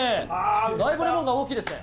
だいぶレモンが大きいですね。